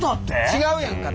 違うやんか！